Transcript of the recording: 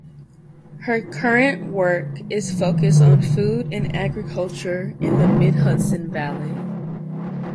Her current work is focused on food and agriculture in the Mid-Hudson Valley.